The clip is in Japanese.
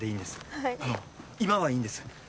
はいあの今はいいんです